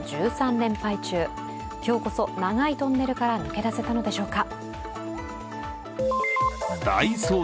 連敗中、今日こそ長いトンネルから抜け出せたのでしょうか。